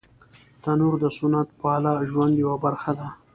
تنور د سنت پاله ژوند یوه برخه ده